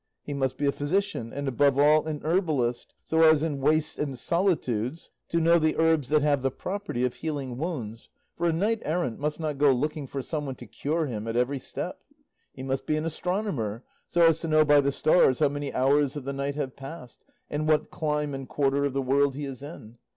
He must be a physician, and above all a herbalist, so as in wastes and solitudes to know the herbs that have the property of healing wounds, for a knight errant must not go looking for some one to cure him at every step. He must be an astronomer, so as to know by the stars how many hours of the night have passed, and what clime and quarter of the world he is in.